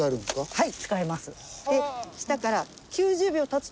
はい。